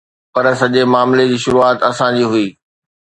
پر سڄي معاملي جي شروعات اسان جي هئي.